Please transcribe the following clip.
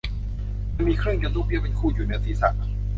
มันมีเครื่องยนต์ลูกเบี้ยวเป็นคู่อยู่เหนือศรีษะ